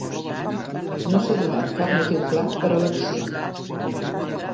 No s'ha donat cap motiu clar per a l'acció.